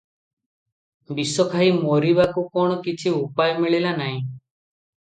ବିଷଖାଇ ମରିବାକୁ କଣ କିଛି ଉପାୟ ମିଳିଲା ନାହିଁ?